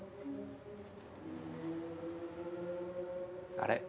あれ？